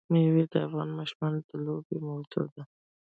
مېوې د افغان ماشومانو د لوبو موضوع ده.